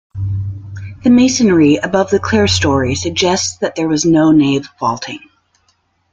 The masonry above the clerestory suggests that there was no nave vaulting.